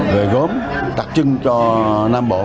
về gốm tặc trưng cho nam bộ